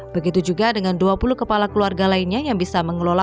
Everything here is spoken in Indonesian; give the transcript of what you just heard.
begitu juga dengan dua puluh kepala keluarga lainnya yang bisa mengelola